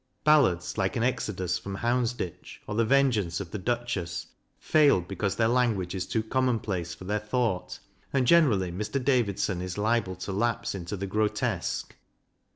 Ballads like "An Exodus from Houndsditch," or the " Vengeance of the Duchess," fail because their language is too common place for their thought; and, generally, Mr. Davidson is liable to lapse into the grotesque.